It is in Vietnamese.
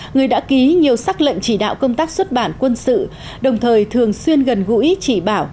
người đã ký nhiều sắc lệnh chỉ đạo công tác xuất bản quân sự đồng thời thường xuyên gần gũi chỉ bảo